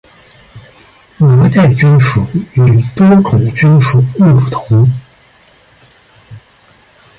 麻盖菌属与多孔菌属亦不同。